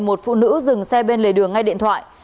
một phụ nữ dừng xe bên lề đường ngay điện thoại